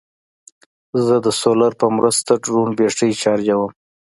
زه د سولر په مرسته ډرون بیټرۍ چارجوم.